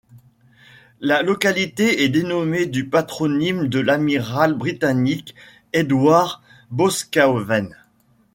La localité est dénommée du patronyme de l'amiral britannique Edward Boscawen.